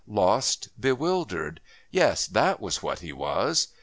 Lost, bewildered yes, that was what he was!